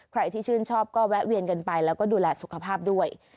ใครที่ชื่นชอบก็แวะเวียนกันไปแล้วก็ดูแลสุขภาพด้วย